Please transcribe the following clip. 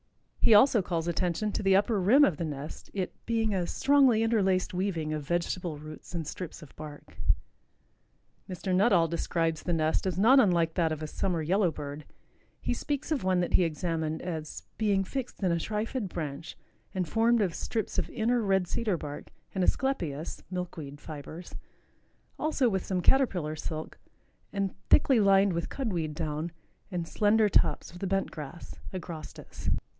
He also calls attention to the upper rim of the nest, it "being a strongly interlaced weaving of vegetable roots and strips of bark." Mr. Nuttall describes the nest as not unlike that of a summer yellow bird. He speaks of one that he examined as "being fixed in a trifid branch and formed of strips of inner red cedar bark and asclepias (milkweed) fibers, also with some caterpillar silk, and thickly lined with cud weed down and slender tops of the bent grass (Agrostis.)"